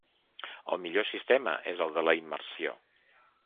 El millor sistema és el de la immersió.